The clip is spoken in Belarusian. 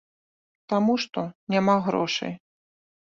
Таму што няма грошай.